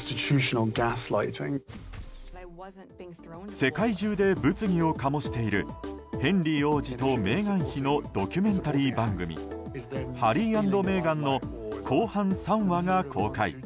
世界中で物議を醸しているヘンリー王子とメーガン妃のドキュメンタリー番組「ハリー＆メーガン」の後半３話が公開。